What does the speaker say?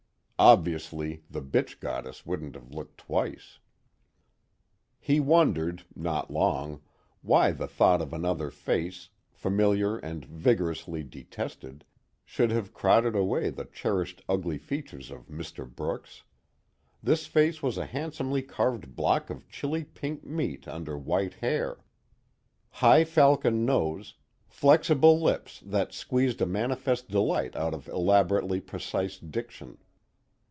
Obviously the bitch goddess wouldn't have looked twice. He wondered (not long) why the thought of another face, familiar and vigorously detested, should have crowded away the cherished ugly features of Mr. Brooks. This face was a handsomely carved block of chilly pink meat under white hair. High falcon nose, flexible lips that squeezed a manifest delight out of elaborately precise diction.